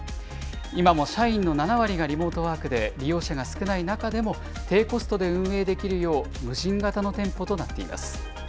今も社員の７割がリモートワークで利用者が少ない中でも、低コストで運営できるよう、無人型の店舗となっています。